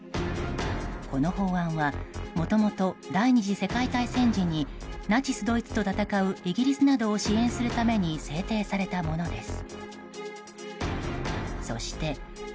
この法案はもともと第２次世界大戦時にナチスドイツと戦うイギリスなどを支援するために制定されたものです。